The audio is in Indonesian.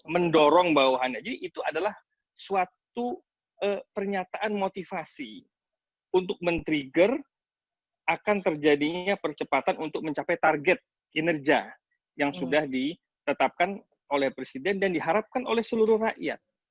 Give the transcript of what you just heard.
mendorong bawahannya jadi itu adalah suatu pernyataan motivasi untuk men trigger akan terjadinya percepatan untuk mencapai target kinerja yang sudah ditetapkan oleh presiden dan diharapkan oleh seluruh rakyat